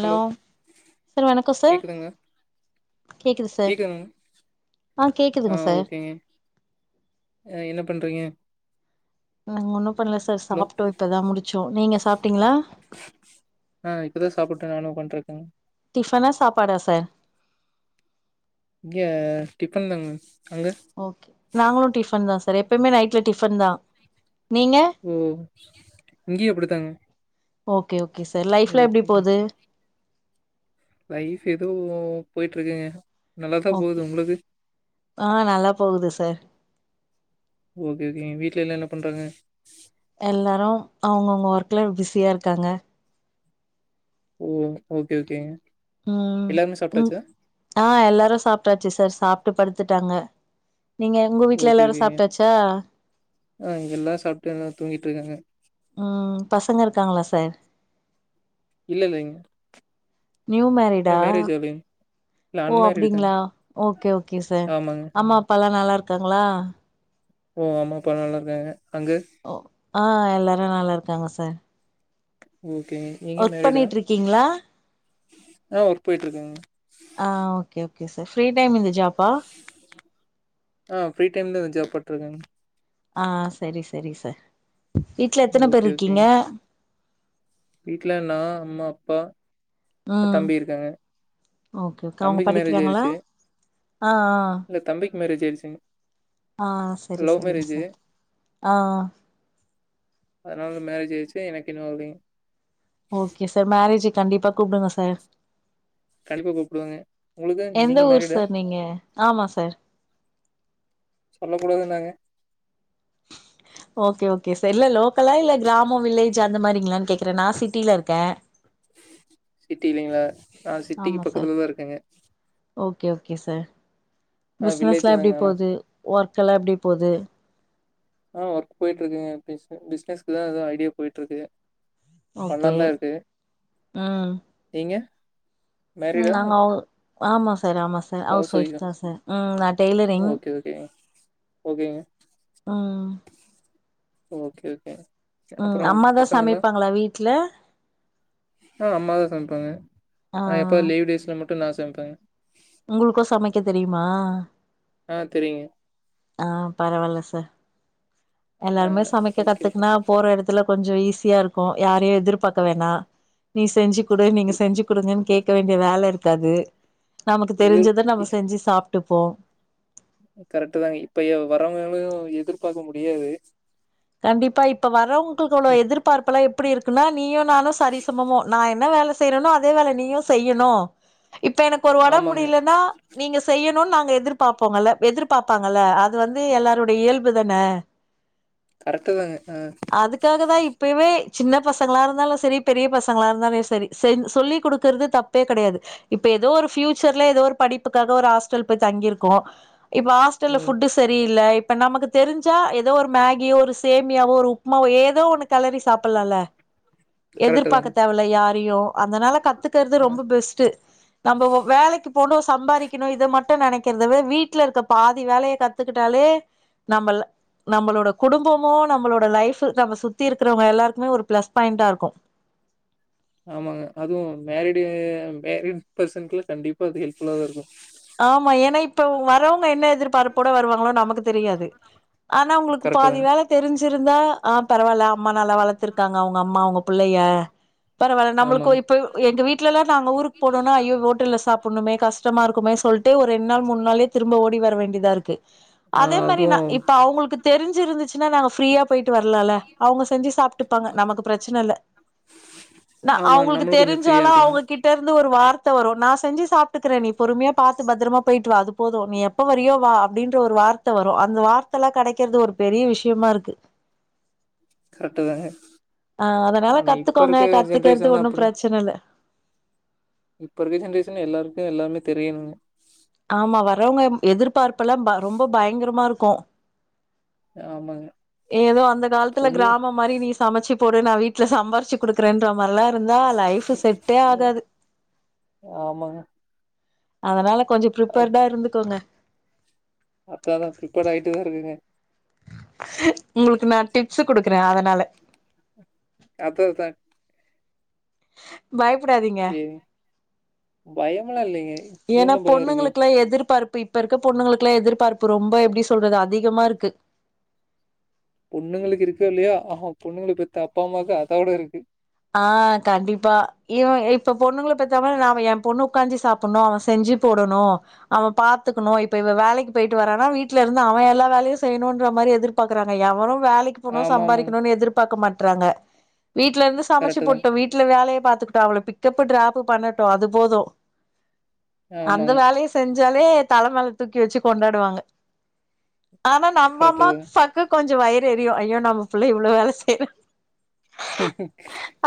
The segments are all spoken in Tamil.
ஹலோ சார் வணக்கம் சார் கேக்குதாங்க கேக்குது சார் கேக்குதாங்க ஆ ஆ கேக்குதுங்க சார் ஓகேங்க அ என்ன பண்றீங்க நா ஒன்னு பண்ல சார் ஹலோ சாப்ட்டோ இப்பதா முடிச்சோ நீங்க சாப்ட்டீங்களா ஆ இப்பதா சாப்பிட்ட நானு ஒக்காண்டுருக்கேங் டிஃபனா சாப்பாடா சார் இங்கெ டிஃபன் தாங்க அங்க ஓகே நாங்களு டிஃபன் தா சார் எப்பெவ்மே நைட்டில டிஃபன் தா நீங்க ஓ இங்கியு அப்டித்தாங்க ஓகே ஓகே சார் லைஃப்லா எப்டி போது லைஃப் எதோ போய்ட்டு இருக்குங்க நல்லாதா ஓகே போது உங்களுக்கு ஆ நல்லா போகுது சார் ஓகே ஓகேங்க வீட்ல எல்லா என்ன பண்றாங்க எல்லாரு அவ்ங்கவ்ங்க வர்க்ல பிஸியா இருக்காங்க ஓ ஓகே ஓகேங் ம் ம் ஆ எல்லாரு சாப்ட்டாச்சு சார் சாப்ட்டு படுத்துட்டாங்க நீங்க உங்க வீட்ல ஓகே எல்லாரு ஓகேங்க சாப்ட்டாச்சா ஆ இங்க எல்லா சாப்ட்டு நல்லா தூங்கிட்டுருக்காங்க ம் பசங்க இருக்காங்களா சார் இல்ல இல்லெங் நியூ மேரீட்டா ஆகலைங்க இல்ல ஓ அன்மேரிடு தாங்க அப்டிங்ளா ஓகே ஓகே சார் ஆமாங்க அம்மா அப்பா எல்லா நல்லா இருக்காங்களா ஓ ஆமா அப்பா நல்லா இருக்காங்க அங்க ஓ ஆ எல்லாரு நல்லா இருக்காங்க சார் ஓகே நீங்க ஒர்க் மேரீட்டா பண்ணிட்டு இருக்கீங்களா நா வர்க் போய்ட்டு இருக்கெங்க ஆ okay okay sir free time இந்த ஜாப்பா ஆ ஃப்ரீ டைம்ல இந்த ஜாப் பட்ருக்கேங்க ஆ செரி செரி சார் வீட்ல எத்தன பேர் ஓகே, இருக்கீங்க ஓகேங்க. வீட்ல நா அம்மா அப்பா ப தம்பி இருக்காங்க ஓகேகே கவ்ங்க தம்பிக்கு மேரேஜ் படிக்கிறாங்களா ஆயிருச்சு. ஆ ஆ இல்ல தம்பிக்கு மேரேஜ் ஆய்டுச்சுங்க ஆ செரி செரிங்க சார் ஆ அத்னால தா மேரேஜ் ஆய்டுச்சு எனக்கு இன்னு ஆவுலீங் ஓகே சார் மேரேஜுக் கண்டிப்பா கூப்புடுங்க சார் கண்டிப்பா கூப்டுவேங்க. உங்களுக்கு நீங்க எந்த ஊர் மேரிடா? சார் நீங்க ஆமா சார் சொல்ல கூடாதுன்னாங்க ஓகே ஓகே சார் இல்ல லோக்கலா இல்ல க்ராமம் வில்லேஜ் அந்த மாரிங்களான்னு கேக்குறே நா சிட்டில இருக்கே சிட்டிலெங்களா நா சிட்டிக்கு ஆமா சார் பக்கத்துலதா இருக்கேங்க ஓகே ஓகே சார் ஆ வில்லேஜ் பிச்னஸ்லா தாங்க எப்டி ஆனா. போது வர்க்கெல்லாம் அப்டி போது ஆ வர்க் போய்ட்டு இருக்குங்க ப்ச் பிச்னஸ்கு தா எதோ ஐடியா போய்ட்டு இருக்குக ஓகே பண்லாந்தா இருட்டு ம் நீங்க ம் மேரிடா? நாங்கோ ஆமா சார் ஆமா சார் ஹவுஸ் ஒய்ஃப் தா சார் ம் நா டெய்லரிங் கே ஓகேங்க ம் ஓகே ஓகே ம் அம்மாதா சமைப்பாங்களா வீட்டல ஆ அம்மாதா சமப்பாங்க ஆ எப்போதாது லீவ் டேஸ்ல மட்டு நா சமப்பெ உங்களுக்கு சமைக்க தெரியுமா அ தெரியுங்க அ பரவால சார் எல்லாருமே ஆ சமைக்க ஓகே ஓகே. கத்துக்குனா போற எடத்து இதல்லா கொஞ்ச ஈஸியா இருக்கு யாரையு எதிர்பாக்க வேணா நீ செஞ்சு கொடு எ நீங்க செஞ்சு கொடுங்கன்னு கே இருக்க வேண்டிய வேல இருக்காது நமக்கு எதிர் தெரிஞ்சத நம்ம செஞ்சு சாப்ட்டுப்போ கரெட் தாங்க இப்பயு வரவங்களு எதிர்பாக்க முடியாது கண்டிப்பா இப்ப வர்வங்களுக்கு எதிர்பார்ப்பெல்லா எப்படி இருக்குன்னா நீயு நானு சரிசமமா நா என்ன வேல செய்யறனொ அதே வேல நீயு செய்யணு இப்ப எனக்கு ஒரு வொடம் ஆமாங்க முடியலேன்னா நீங்க செய்யணுனு நாங்க எதிர்பாப்போங்கல்ல எதிர்பாப்பாங்கல்ல அது வந்து எல்லாருடைய இயல்பு தான கரெட்டு தாங்க அ அதுக்காக தா இப்பமே சின்ன பசங்களா இருந்தாலு சரி பெரிய பசங்களா இருந்தாலு சரி செ சொல்லி் கொடுக்கறது தப்பு ப்பே கிடையாது இப்ப ஏதோ ஒரு ஃயூச்சர்ல ஏதோ ஒரு படிப்புக்காக ஒரு ஹாஸ்டல் போய் தங்கியிருக்கோ இப்பா டல்ல ம் ஃபுட்டு சரியில்ல இப்ப நமக்கு தெரிஞ்சா ஏதோ ஒரு மேகியோ ஒரு சேமியாவோ ஒரு உப்மாவோ ஏ ஏதோ ஒண்ணு கெளறி சாப்பலால கரெக்ட் எதிர்பாக்க தாங்க தேவல யாரையு அதனால கத்துக்கற்து ஆ ரொம்ப பெஸ்ட்டு நம்ம வேலக்கி போணு சம்பாரிக்கணு இத மட்டு நெனைக்கிறத வீட்ல இருக்க பாதி வேலைய கத்துக்கிட்டாலே நம்ம நம்மளோட குடும்பமோ நம்மளோட லைஃப் நம்ம சுத்தி இருக்குறவங்க எல்லாருக்குமே ஒரு பிளஸ் பாயிண்டா ர்க்கு ஆமாங்க அதுவு மேரிடு மேரிட் பர்சனுகலா கண்டிப்பா அது ஹெல்ப்ஃபுல்லா தா இருக்கு ஆமா ஏன்னா இப்ப வரவங்க என்ன எதிர்பார்ப்போட வருவாங்களொ நமக்கு தெரியாது ஆனா உங்களுக்கு கரெக்ட் பாதி தாங்க வேல தெரிஞ்சிருந்தா அ பரவால்ல அம்மா நல்லா வளத்துர்க்காங்க அவங்க ம்மா அவங்க புள்ளைய பரவாயில்ல நம்மளுக்கு ஆமாங்க இப்போ எங்க வீட்டுல எல்லா நாங்க ஊருக்கு போனோனா ஐயோ ஹோட்டல்ல சாப்புட்மே கஷ்டமா ருக்குமே சொல்ட்டு ரெண் நாள் மூண்நாள் ளே திரும்ப ஓடி வர வேண்டியதா ர்க்கு ஹ அதே மாரி நா இப்ப அவங்களுக்கு தெரிஞ்சு இருந்துச்சுன்னா நாங்க ஃப்ரீயா போயிட்டு வர்லால அவங்க செஞ்சு சா ப்பாங்க நமக்கு பிரச்சன ல்ல நமக்கு ந அவங்களுக் தெரிஞ்சாலு அவங்க கிட் ந்து ஒரு வார்த்த வரு நா செஞ்சு சாப்ட்டுக்குறே நீ பொறுமையா பாத்து பத்ரமா போய்ட்டு வா அது போது நீ எப்ப வரியோ வா அப்டின்ற ஒரு வார்த்த வரு அந்த வார்த்தல்லா கெடக்கிறது ஒரு பெரிய விஷயமா இருக்கு கரெக்ட் தாங்க அ அதனால ஆனா இப்ப இருக்க கத்துக்கோங்க கத்துக்கற்து ஜென்ரேஷன்லா ஒன்னு பிரச்சன ல்ல இப்போ இருக்க ஜென்ரேஷ எல்லாருக்கு எல்லாாமே தெரியணுங்க ஆமா வரவங்க எதிர்பார்ப்பல்லா ரொம்ப பயங்கரமா இருக்கு ஆமாங்க ஏதோ அந்த காலத்துல பொண்ணு கிராம மாரி நீ சமச்சு போடு நா வீட்டு்ல சம்பாரிச்சு குடுக்குறேன்ற மார்ல இருந்தா லைஃபு செட்டே ஆகாது ஆமாங்க அதனால கொஞ்சம் ப்ரிப்பேர்டா இருந்துக்கோங்க அத்தான் நா பிரிப்பேர் ஆயட்டே தான் இருக்கேங்க உங்களுக்கு நான் டிப்ஸ் கொடுக்குறேன் அதனால அத்த அ பயப்படாதீங்க சேரி பயம்லா இல்லைங்க இதுல ஏன்னா என்ன பய இருக்கு பொண்ணுங்களுக்கெல்லாம் எதிர்பார்ப்பு இப்ப இருக்க பொண்ணுங்களுக்கு எல்லாம் எதிர்பார்ப்பு ரொம்ப எப்டி சொல்றது அதிகமா இருக்கு பொண்ணுங்களுக்கு இருக்கோ இல்லையோ ஆஹ பொண்ணுங்களை பெத்த அப்பா அம்மாவுக்கு அதோ விட இருக்கு ஆஹ் கண்டிப்பா இ இப்ப பொண்ணுங்களை பெத்த மாரி நா என் பொண்ணு உட்காந்து சாப்ப துன்னா அவன் செஞ்சு போடணும் அவ பாத்துக்கணு இப்ப இவ வேலைக்கு போயிட்டு வரானா வீட்ல இருந்து அவன் எல்லா வேலையு செய்ணுன்ற மாரி எதிர்ப் பாக்றாங்க யவளு வேலைக் போனு ஆமா ஆமாங்க சம்பாரிக்கணு எதிர்பாக்க மாட்றாங்க வீட்ல இருந்து சமைச்சு கரெக்ட்டு தாங்க போட்டு வீட் வீட்ல வேலய பாத்துக்குட்டு அவள பிக்கப்பு ட்ராப் பண்ணட்டும் அது போதும் அந்த ஆமாங்க வேலய செஞ்சாலே தலமேல தூக்கி வச்சு கொண்டாடுவாங்க ஆனா நம்ப கரெக்ட்டு அம்மா தாங்க பாக் கொஞ்சம் வயிற் எரியும் ஐயோ நம்ம புள்ள இவ்ளோ வேலை செய்யறா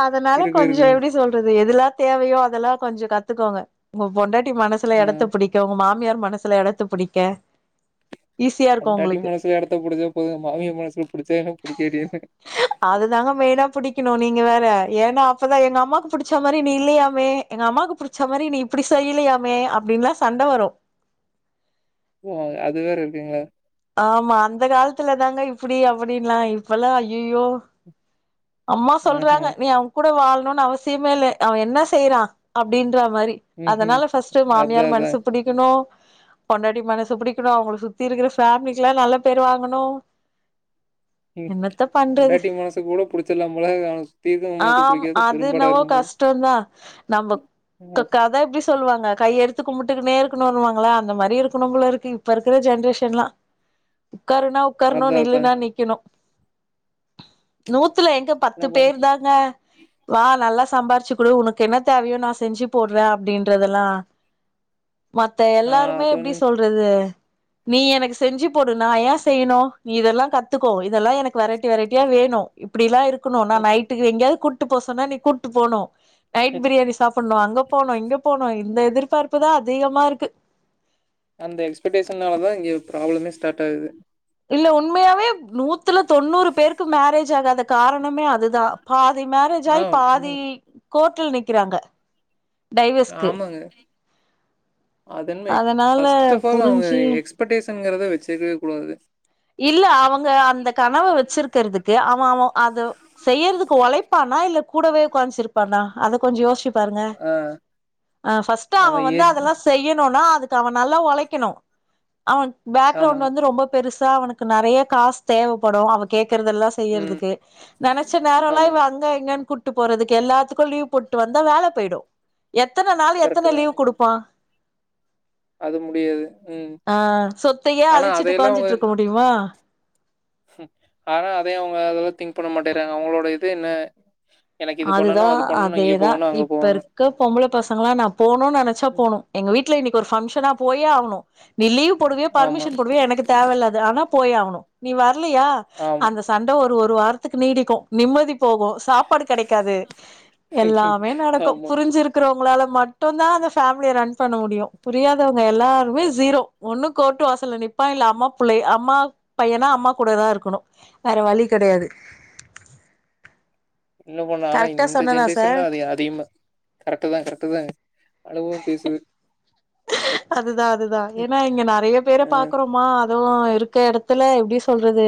அதுனால இருக்கு கொஞ்ச இருக்குங்க எப்டி சொல்றது எதுல்லா தேவையோ அதெல்லா கொஞ்ச கத்துக்கோங்க உங்க பொண்டாட்டி மனசுல ஆ எடத்த புடிக்க உங்க மாமியார் மனசுல எடத்த புடிக்க ஈஸியா இருக்கு பொண்டாட்டி உங்களுக்கு மனசுல எடத்த புடிச்சா போதும் மாமிய மனசுல புடிச்சா என்ன புடிக்காட்டி என்ன அதுதாங்க மெய்னா புடிக்கணு நீ ங்க வேற ஏன்னா அப்பதான் எங்க அம்மாக்கு புடிச்ச மாரி நீ இல்லயாமே எங்க அம்மாக்கு புடிச்ச மாரி நீ இப்டி செய்லியாமே அப்டின்லா சண்ட வரும் ஓ அது வேற இருக்குங்களா ஆமா அந்த காலத்துல தாங்க இப்டி அப்டின்லாம் இப்பல்லா ஐயையோ அம்மா ஆஹ சொல்றாங்க நீ அவன் கூட வாழ்ணுனு அவசியமே இல்ல அவன் என்ன செய்றான் அப்டின்ற மாரி ம்ஹூம் அதுனால ஃபஸ்ட் அதா மாமியார் மனசு அதா புடிக்கணும் பொண்டாட்டி மனசு புடிக்கணும் அவங்களுக்கு சுத்தி இருக்கிற ஃபேமிலிக்குலாம் நல்ல பேர் வாங்கணு என்னத்த பண்றது பொண்டாட்டி மனசு கூட புடிச்சிடலாம் போல அவ ஆம் அதுன்னவோ கஷ்டம்தான் நம்ப அ க கத பிஸ் சொல்லுவாங்க கை எடுத்து கும்பிட்டுக்குன்னே இருக்கணுன்னு வாங்களா அந்த மாரி இருக்கணு போல இருக்கு இப்ப இருக்க ஜென்ரேஷன்லாம் உக்காருனா உக்கார்ணும் அதான் அதான். நில்லுனா நிக்கணும் நூத்துல எங்க பத்து என்ன பண் பேர் தாங்க வா நல்லா சம்பாரிச்சு குடு உனக்கு என்ன தேவயோ நா செஞ்சு போடுறே அப்பிடின்ற தெல்லா மத்த ஆ எல்லாருமே அது எப்டி ஒன்னு சொல்றது நீ எனக்கு செஞ்சு போடு நா ஏ செய்யணும் நீ இதெல்லா கத்துக்கோ இதெல்லா எனக்கு வெரைட்டி வெரைட்டியா வேணும் இப்பிடில்லா இருக்குனு நா ம் நைட் எங்கியாவது கூட்டு போசொன்னா நீ கூட்டு போனு நைட் பிரியாணி சாப்பன்னும் அங்க போனு இங்க போனு இந்த எதிர்பார்ப்பு தா அதிகமா இருக்கு அந்த எக்ஸ்பெட்டேஷனால தா இங்க பிராப்ளமே ஸ்டாட் ஆகுது இல்ல உண்மையாவே நூத்துல தொண்ணூறு பேருக்கு மேரேஜ் ஆகாத காரணமே அதுதான் பாதி மேரேஜ் ஆ ஆயி உண்ம பாதி கோர்ட்ல நிக்கிறாங்க டைவஸ்க்கு ஆமாங்க அத என க் அதனால ஃபஸ்ட் ஆஃப் ஆல் அவுங்க புரிஞ்சு எக்ஸ்பெட்டேஷன்ங்கிறத வெச்சுக்கவே கூடாது இல்ல அவங்க அந்த கனவ வெச்சிருக்குறதுக்கு அவ அவ அது செய்யறதுக்கு ஒழைப்பானா இல்ல கூடவே உக்காந்து சிரிப்பானா அத கொஞ்சோ யோசிச் பாருங்க ஆ ஆ ஃபஸ்ட்டு அவ அவன் வந்து ஏஜ் அதெல்லா செய் னுனா அதுக்கு அவ நல்லா ஒழைக்கணு அவ பேக் ஆமா. ரவுண்ட் வந்து ரொம்ப பெரு சா அவனுக்கு நெறைய காசு தேவப்படு அவக் கேக்குறதெல்லா ம் செய்யறதுக்கு நெனைச்ச நேரல்லா ஆமா. இவ அங்க இங்க கூட் போட்டு போறதுக்கு எல்லாத்துக்கு லீவ் போட்டு வந்தா வேல போயிடு எத்தன நாள் கரெக்ட்டு எத்தன தான். லீவ் குடுப்பா அது முடியாது. ம். ஆ சொத்தையே ஆனா அழிச்சுட்டு அதையெல்லாம் அவங்க உக்காஞ்சிட்டு இருக்க முடியுமா ஆனா அதையு அவங்க அதெல்லா திங்க் பண்ண மாட்டிறாங்க அவங்களோட இது என்ன எனக்கு இது அதுதா பண்ணணும், அது பண்ணணும், இங்க அதேதா போகணும், அங்க இப்ப போகணும். இருக்க பொம்பள பசங்கள்ளா நா போணு நெனைச்சா ம். போணு எங்க வீட்ல இன்னிக்கி ஒரு ஃபங்கஷனா போயே ஆகுனு நீ லீவ் போடுவியோ ஆமா ஃபர்மிஷன் போடுவியோ எனக்கு தேவல்ல அது ஆனா போயேகனூ நீ வர்லயா ஆமா அந்த சண் ட ஒரு ஒரு வாரத்துக்கு நீடிக்கு நிம்மதி போகு சாப்பாடு கெடக் காது எல்லாமே நடக்கு ஆமா புரிஞ்சு இருக்கிறவங்களால மட்டு தா அந்த ஃபேமிலிய ரன் பண்ண முடியு‌ புரியாதவங்க எல்லாருமே அ ஜீரோ ஒன்னு கோட்டு வாசல்ல நிப்பா இல்ல அம்மா புள்ள அம்மா பையனா அம்மா கூட தா இருக்கணு வேற வழி கெடையாது என்ன பண்ண ஆனா கரெக்டா இந்த சொன்னனா சார் ஜென்ரேஷன்ல்ல அது அதிகமா கரெக்ட் தா கரெக்ட் தாங் அளவா பேசுது அதுதா அதுதா ஏன்னா இங்க நெறைய பேர ஆ பாக்குறோமா அதுவு இருக்க எடத்துல எப்டி சொல்றது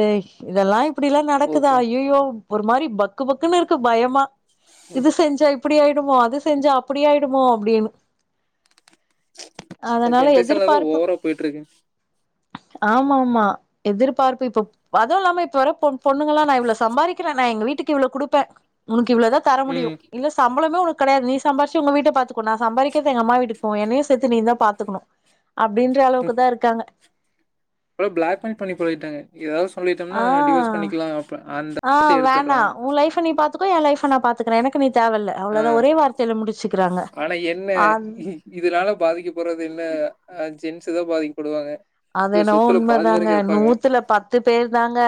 இதெல்லா இப்டில்லா நடக்குதா ஓகே ஐய்யய்யோ ஒரு மாரி பக்கு பக்குன்னு இருக்கு பயமா ம். இது செஞ்சா இப்டி ஆயிடுமோ அது செஞ்சு அப்டி ஆயிடுமோ அப்டின்னு இந்த அதனால ஜென்ரேஷன்ல தா எதிர்பார்ப்பு ஓவரா போயிட்டு இருக்கு ஆமா ஆமா எதிர்பார்ப்பு இப்ப அது இல்லாம இப்ப வர பொ பொண்ணுங்கல்லா நா இவ்ளோ சம்பாக்கிறே நா எங்க வீட்டுக்கு இவ்ளோ குடுப்பே உனக்கு இவ்ளோதா தர முடியு ம் இல்ல சம்பளமே உனக் கெடையா நீ சம்பிச்ச உங்க வீட்ட பாத்துக்கோ நா சம்பாரிக்கிறது எங்க அம்மா வீட்டுக்கு போவு என்னையு ஏ சேத்து நீ தா பாத்துக்கணு அப்டின்ற அளவுக்கு தா இருக்காங்க இப்பெல்லா பிளாக்மெயில் பண்ணி பழகிட்டாங்க எதாவது சொல்லிட்டோம்னா டிவோர்ஸ் ஆ பண்ணிக்கலா அப் அந்த ஆ வார்த்தைய வேணா எடுத்துடுறாங்க ஊ லைஃப்ப நீ பாத்துக்கோ ஏ லைஃப்ப நா பாத்துக்கிறே எனக்கு நீ தேவ இல்ல ஆ அவ்ளோதா ஒரே வார்த்தையில முடிச்சுக்கிறாங்க ஆ இதுனால பாதிக்கப்பட்றது என்ன ஆ ஜென்ஸ் தா பாதிக்கப்படுவாங்க அது இது என்னவோ சொத்துல பாதி வர உண்மதாங்க கேப்பாங்க நூத்துல பத்து பேர் தாங்க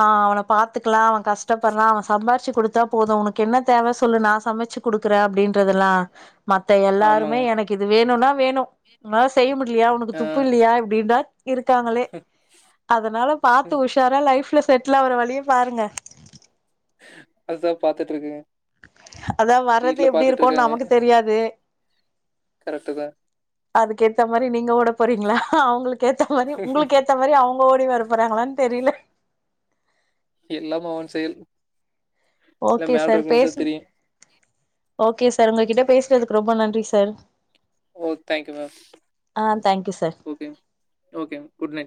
ஆ அவன பாத்துக்கலா அவ கஷ்டப்பட்றா அவ சம்பாரிச்சு குடுத்தா போது உனக்கு என்ன தேவ சொல்லு நா சமச்சு குடுக்குற அப்டின்றதெல்லா மத்த எல்லாருமே ஆமாங்க எனக்கு இது வேணுன்னா வேணு உங்களால செய்ய முடியலியா உனக்கு ஆ துப்பு இல்லியா இப்டின்டா இருக்காங்களே அதனால பாத்து உஷாரா லைஃப்ல செட்டில் ஆவுற வழியே பாருங்க அதா பாத்துட்டு இருக்கங்க அதா வர்றது எப்டி இருக்குனு நமக்கு தெரியாது கரெக்ட்டு தா அதுக்கு ஏத்த மாரி நீங்க ஓட போறீங்களா அவங்களுக்கு ஏத்த மாரி உங்களுக்கு ஏத்த ஏத்த மாரி அவங்க ஓடி வர போறாங்களான்னு தெரில எல்லாம் அவன் செயல் எல்லா ஓகே மேல சார் இருக்கறவனுக்குதா பேசு தெரியு ஓகே சார் உங்க கிட்ட பேசுறதுக்கு ரொம்ப நன்றி சார் ஓ தேங்க் யூ மேம் ஆ thank you sir okay okay good நை